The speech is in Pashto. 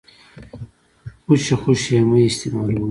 خوشې خوشې يې مه استيمالوئ.